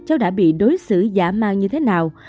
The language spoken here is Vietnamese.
cháu đã bị đối xử giả mang như thế nào